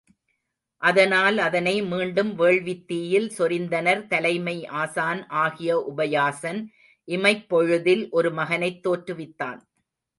அதனால் அதனை மீண்டும் வேள்வித்தீயில் சொரிந்தனர் தலைமை ஆசான் ஆகிய உபயாசன் இமைப்பொழுதில் ஒரு மகனைத் தோற்றுவித்தான்.